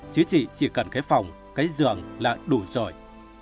chứ chị chỉ cần cái phòng cái giường là đủ rồi